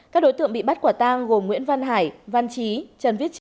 các đối tượng bị bắt quả tang gồm nguyễn văn hải văn trí trần viết trí